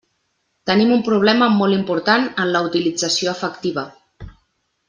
Tenim un problema molt important en la utilització efectiva.